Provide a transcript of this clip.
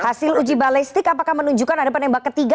hasil uji balistik apakah menunjukkan ada penembak ketiga